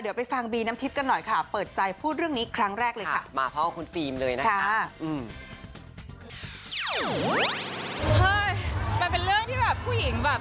เดี๋ยวไปฟังบีน้ำทิพย์กันหน่อยค่ะเปิดใจพูดเรื่องนี้ครั้งแรกเลยค่ะ